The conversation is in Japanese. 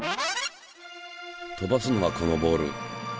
飛ばすのはこのボール。